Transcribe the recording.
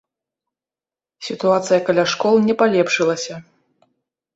Сітуацыя каля школ не палепшылася.